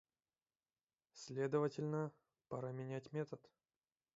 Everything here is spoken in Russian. Следовательно, пора менять метод.